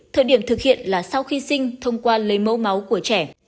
thời điểm thực hiện là sau khi sinh thông qua lấy mẫu máu của trẻ